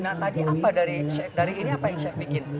nah tadi apa dari chef dari ini apa yang chef bikin